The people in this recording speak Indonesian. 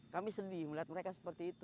kami sedih melihat mereka seperti itu